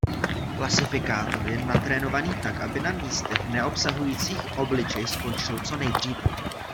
Klasifikátor je natrénovaný tak, aby na místech neobsahujících obličej skončil co nejdříve.